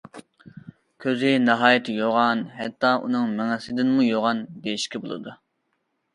كۆزى ناھايىتى يوغان، ھەتتا ئۇنىڭ مېڭىسىدىنمۇ يوغان دېيىشكە بولىدۇ.